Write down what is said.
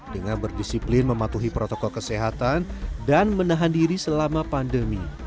dengan berdisiplin mematuhi protokol kesehatan dan menahan diri selama pandemi